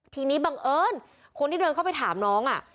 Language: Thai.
ทีนี้บังเอิญคนที่เดินเข้าไปถามน้อง